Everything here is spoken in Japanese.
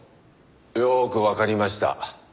よーくわかりました。